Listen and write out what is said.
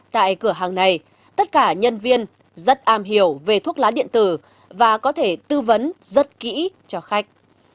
tại cửa hàng này tất cả nhân viên rất am hiểu về thuốc lá điện tử và có thể tư vấn rất kỹ cho khách